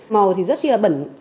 màu thì rất chi là bẩn